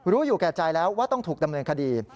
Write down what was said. รู้อยู่แก่ใจแล้วว่าต้องถูกดำเนินคดี